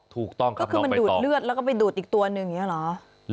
ถูกต้องครับก็คือมันดูดเลือดแล้วก็ไปดูดอีกตัวหนึ่งอย่างนี้เหรอ